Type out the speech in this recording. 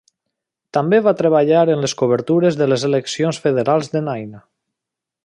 També va treballar en les cobertures de les eleccions federals de Nine.